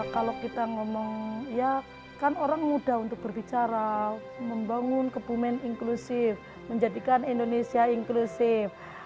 kalau kita ngomong ya kan orang mudah untuk berbicara membangun kebumen inklusif menjadikan indonesia inklusif